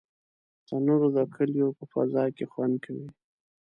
تنور د کلیو په فضا کې خوند کوي